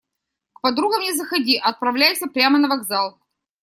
К подругам не заходи, а отправляйся прямо на вокзал.